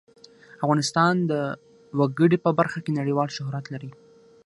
افغانستان د وګړي په برخه کې نړیوال شهرت لري.